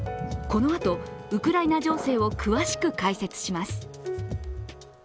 このあとウクライナ情勢を詳しく解説します。